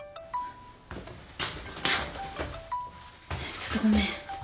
ちょっとごめん。